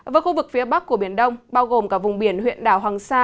với khu vực phía bắc của biển đông bao gồm cả vùng biển huyện đảo hoàng sa